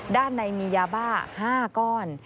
ด้านในมียาบ้า๕ก้อน